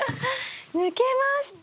抜けました！